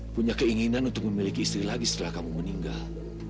punya keinginan untuk memiliki istri lagi setelah kamu meninggal